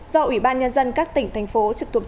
do ủy ban nhân dân các tỉnh thành phố trực thuộc